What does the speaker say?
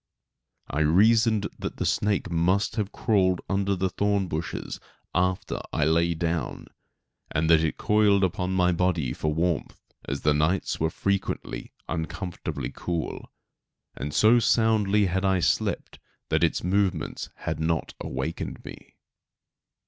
I reasoned that the snake must have crawled under the thorn bushes after I lay down, and that it coiled upon my body for warmth, as the nights were frequently uncomfortably cool; and so soundly had I slept that its movements had not awakened me.